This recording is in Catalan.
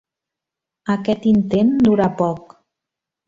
Aquest intent durà poc.